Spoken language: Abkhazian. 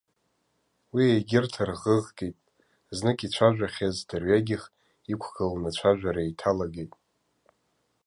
Уи егьырҭ арӷыӷкит, знык ицәажәахьаз дырҩегьых иқәгыланы ацәажәара еиҭалагеит.